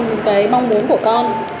những cái mong muốn của con